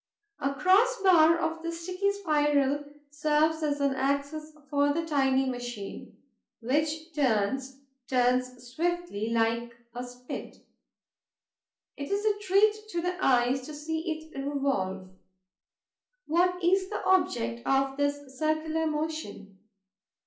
A cross bar of the sticky spiral serves as an axis for the tiny machine, which turns, turns swiftly, like a spit. It is a treat to the eyes to see it revolve. What is the object of this circular motion?